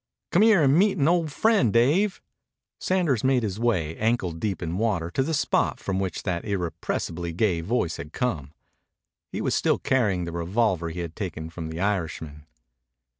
"Come here and meet an old friend, Dave." Sanders made his way, ankle deep in water, to the spot from which that irrepressibly gay voice had come. He was still carrying the revolver he had taken from the Irishman.